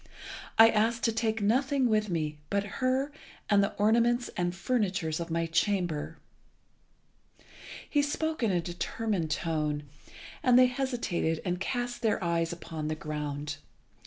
I ask to take nothing with me but her and the ornaments and furniture of my chamber." He spoke in a determined tone, and they hesitated and cast their eyes upon the ground.